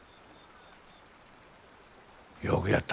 よくやった。